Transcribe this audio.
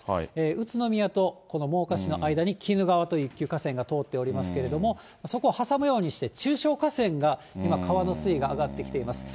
宇都宮とこの真岡市の間に鬼怒川という一級河川が通っていますけれども、そこを挟むようにして、中小河川が今、川の水位が上がってきています。